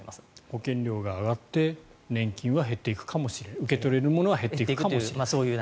保険料が上がって年金は減っていくかもしれない受け取れるものは減っていくかもしれないと。